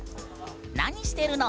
何してるの？